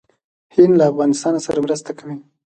هند له افغانستان سره مرسته کوي.